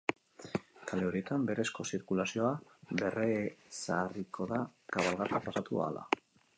Kale horietan berezko zirkulazioa berrezarriko da kabalgata pasatu ahala.